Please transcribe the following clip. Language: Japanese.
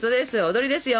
踊りですよ。